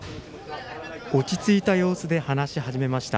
落ち着いた様子で話し始めました。